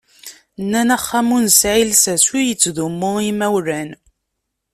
Nnan axxam ur nesεi llsas, ur ittdumu i yimawlan.